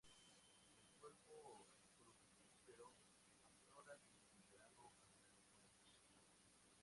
El cuerpo fructífero aflora desde el verano hasta el otoño.